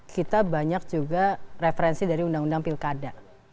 kita banyak juga referensi dari undang undang pilkada